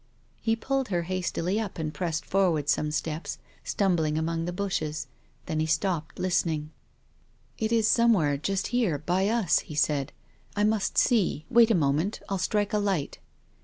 He pulled her hastily up and pressed forward some steps, stumbling among the bushes. Then he stopped, listening. " It is somewhere just here, by us," he said. " I must see. Wait a moment. I'll strike a light."